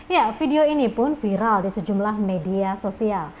ya video ini pun viral di sejumlah media sosial